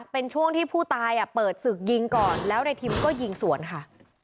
เป็นช่วงที่ผู้ตายเปิดศึกยิงก่อนแล้วในทิมก็ยิงสวนค่ะ